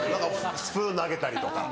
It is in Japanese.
スプーン投げたりとか。